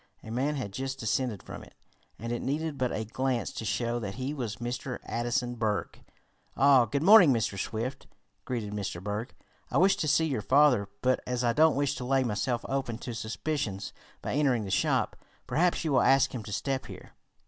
A man had just descended from it, and it needed but a glance to show that he was Mr. Addison Berg. "Ah, good morning, Mr. Swift," greeted Mr. Berg. "I wish to see your father, but as I don't wish to lay myself open to suspicions by entering the shop, perhaps you will ask him to step here."